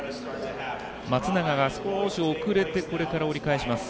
松永が少し後れてこれから折り返します。